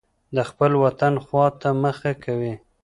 د خپل وطن خوا ته مخه کوي.